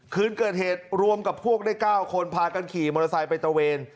คืนเกิดเหตุรวมกับพวกได้๙คนพากันขี่มอเตอร์ไซค์ไปตะเวน